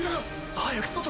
早く外に。